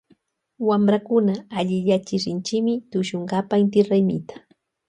Wamprakuna alliyachi rinchimi tushunkapa inti raymita.